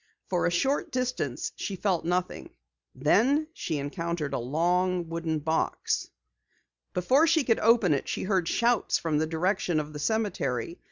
For a short distance she felt nothing. Then she encountered a long wooden box. Before she could open it, she heard shouts from the direction of the cemetery.